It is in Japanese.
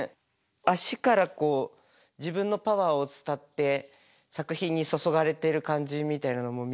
足からこう自分のパワーを伝って作品に注がれてる感じみたいなのも見えて。